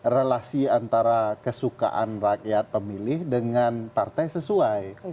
relasi antara kesukaan rakyat pemilih dengan partai sesuai